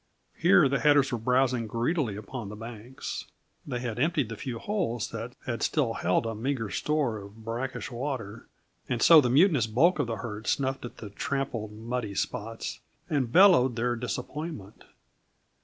Here the leaders were browsing greedily along the banks. They had emptied the few holes that had still held a meager store of brackish water and so the mutinous bulk of the herd snuffed at the trampled, muddy spots and bellowed their disappointment.